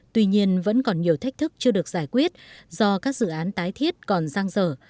tuy nhiên vẫn còn nhiều thách thức chưa được giải quyết do các dự án tái thiết còn giang dở